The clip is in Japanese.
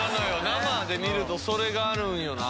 生で見るとそれがあるんよな。